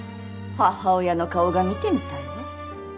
母親の顔が見てみたいわ。